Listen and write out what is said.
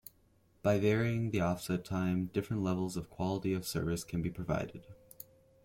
By varying the offset time, different levels of quality of service can be provided.